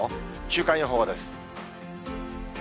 週間予報です。